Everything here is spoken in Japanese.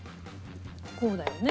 こうだよね。